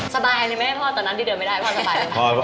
สบายไหมพ่อตอนนั้นที่เดินไม่ได้พ่อสบายไหม